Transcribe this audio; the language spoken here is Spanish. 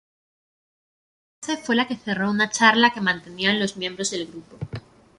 Esa frase fue la que cerró una charla que mantenían los miembros del grupo.